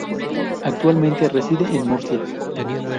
Actualmente reside en Murcia.